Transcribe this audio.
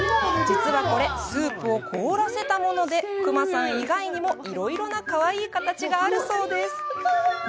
実はこれ、スープを凍らせたものでクマさん以外にも、いろいろなかわいい形があるそうです。